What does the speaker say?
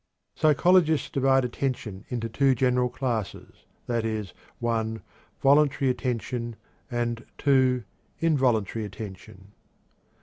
Psychologists divide attention into two general classes, viz.: (1) voluntary attention and (2) involuntary attention.